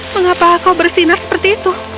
mengapa kau bersinar seperti itu